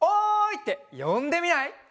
ってよんでみない？